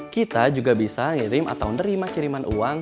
kita juga bisa ngirim atau nerima kiriman uang